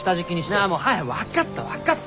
ああもう分かった分かった。